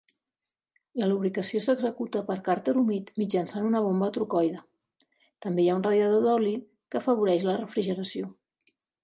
La lubricació s'executa per càrter humit mitjançant una bomba trocoide; també hi ha un radiador d'oli que afavoreix la refrigeració.